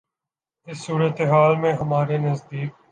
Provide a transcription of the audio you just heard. اس صورتِ حال میں ہمارے نزدیک